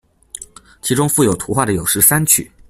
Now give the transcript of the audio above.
其中附有图画的有十三曲。